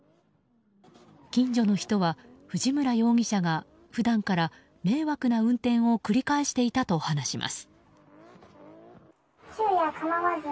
近所の人は、藤村容疑者が普段から迷惑な運転を繰り返していたと話します。